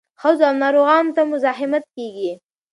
ښځو او ناروغانو ته مزاحمت کیږي.